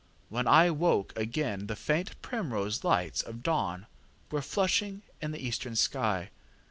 When I woke again the faint primrose lights of dawn were flushing in the eastern sky.